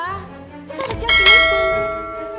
masa bisa jadi itu